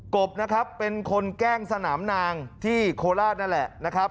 บนะครับเป็นคนแกล้งสนามนางที่โคราชนั่นแหละนะครับ